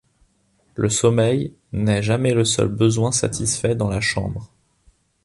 Le sommeil n'est jamais le seul besoin satisfait dans la chambre.